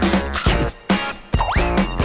ดีกว่า